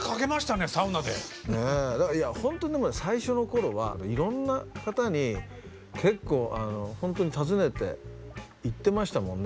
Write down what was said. ねえいやほんとでもね最初の頃はいろんな方に結構ほんとに訪ねて行ってましたもんね。